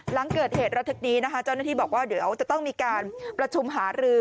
หลังเกิดเหตุระทึกนี้นะคะเจ้าหน้าที่บอกว่าเดี๋ยวจะต้องมีการประชุมหารือ